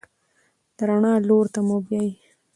د رڼا لور ته مو بیايي.